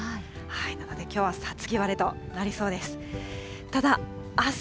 なので、きょうは五月晴れとなりそうです。